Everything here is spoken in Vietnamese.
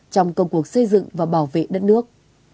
trong công cuộc xây dựng và bảo vệ đất nước